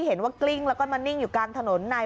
เห็นว่ากลิ้งแล้วก็มานิ่งอยู่กลางถนนใน